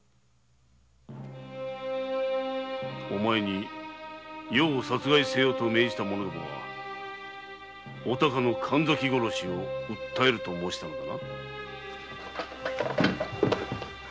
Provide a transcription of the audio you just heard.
お前に余を殺害せよと命じた者どもはお孝の神崎殺しを訴えると申したのだな。